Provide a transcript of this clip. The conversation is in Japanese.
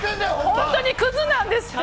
本当にクズなんですよ。